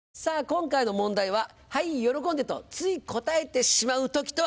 今回の問題は「はい喜んで！」とつい答えてしまう時とは？